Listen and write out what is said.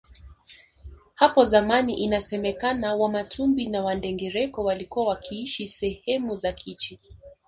Hapo zamani inasemekana wamatumbi na wandengereko walikuwa wakiishi sehemu za Kichi